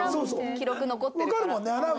記録残ってるから。